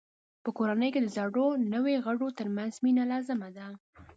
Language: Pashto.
په کورنۍ کې د زړو او نویو غړو ترمنځ مینه لازمه ده.